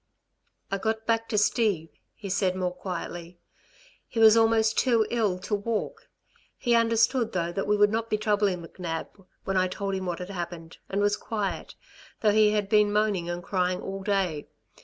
"I got back to Steve," he said more quietly. "He was almost too ill to walk. He understood though that we would not be troubling McNab, when I told him what had happened, and was quiet though he had been moaning and crying all day.